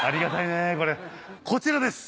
こちらです。